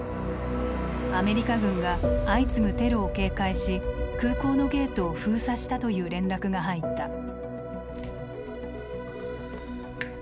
アメリカ軍が相次ぐテロを警戒し空港のゲートを封鎖したという連絡が入った。